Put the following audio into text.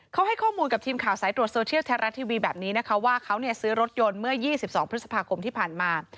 เขาให้ข้อมูลกับทีมข่าวสายตรวจโซเชียลแท้รัฐทีวีแบบนี้นะคะว่าเขาซื้อรถยนต์เมื่อ๒๒พฤษภาคมที่ผ่านมา